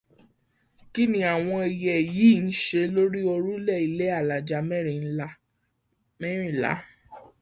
Kíni àwọn ẹyẹ yìí ń ṣe lórí òrùlé ilé alájà mẹ́rìnlá